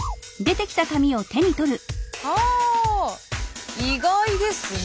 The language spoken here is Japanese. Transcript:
はあ意外ですな。